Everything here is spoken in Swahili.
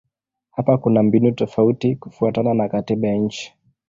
Hapa kuna mbinu tofauti kufuatana na katiba ya nchi.